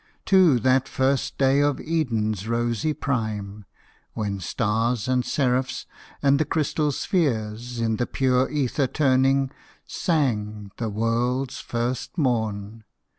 To that first day of Eden's rosy prime, When stars and seraphs, and the crystal spheres, In the pure ether turning, sang the world's first morn.